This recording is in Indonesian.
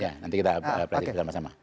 iya nanti kita praktik sama sama